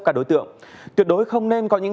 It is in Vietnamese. các đối tượng tuyệt đối không nên có những